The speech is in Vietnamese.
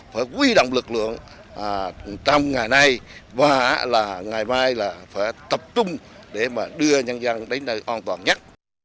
phải quy động lực lượng trong ngày nay và là ngày mai là phải tập trung để mà đưa nhân dân đến nơi an toàn nhất